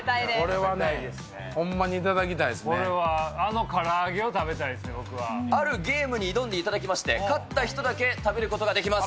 これはね、ほんまに頂きたいこれはあのから揚げを食べたあるゲームに挑んでいただきまして、勝った人だけ食べることができます。